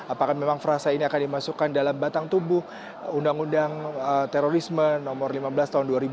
apakah memang frasa ini akan dimasukkan dalam batang tubuh undang undang terorisme nomor lima belas tahun dua ribu dua